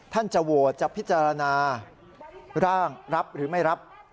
จะโหวตจะพิจารณาร่างรับหรือไม่รับ